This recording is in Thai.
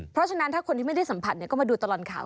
เพราะฉะนั้นถ้าคนที่ไม่ได้สัมผัสก็มาดูตลอดข่าว